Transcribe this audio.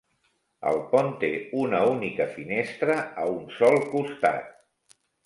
El pont té una única finestra a un sol costat.